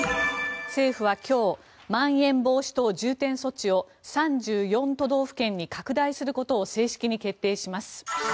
政府は今日まん延防止等重点措置を３４都道府県に拡大することを正式に決定します。